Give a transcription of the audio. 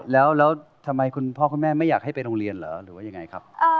แล้วทำไมคุณพ่อคุณแม่ไม่อยากให้ไปโรงเรียนเหรอหรือว่ายังไงครับ